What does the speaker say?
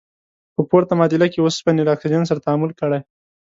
په پورته معادله کې اوسپنې له اکسیجن سره تعامل کړی.